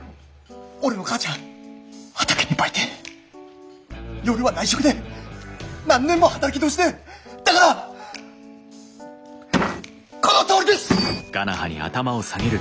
俺の母ちゃん畑に売店夜は内職で何年も働き通しでだからこのとおりです！